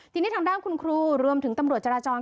ทีนี้ทางด้านคุณครูรวมถึงตำรวจจราจร